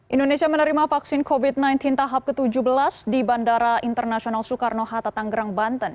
indonesia menerima vaksin covid sembilan belas tahap ke tujuh belas di bandara internasional soekarno hatta tanggerang banten